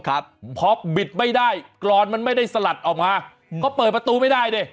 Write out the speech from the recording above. ครับพอบิดไม่ได้กรอนมันไม่ได้สลัดออกมาก็เปิดประตูไม่ได้ดิ